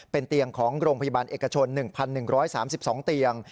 เป็นเตียงของโรงพยาบาลเอกชน๑๑๓๒เตียง